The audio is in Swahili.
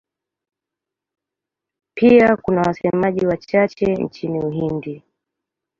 Pia kuna wasemaji wachache nchini Uhindi.